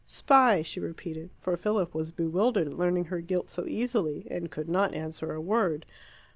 "Spy," she repeated, for Philip was bewildered at learning her guilt so easily, and could not answer a word.